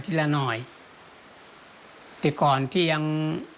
แต่ก่อนที่ยัง